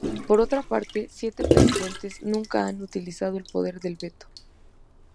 Por otra parte, siete presidentes nunca han utilizado el poder del veto.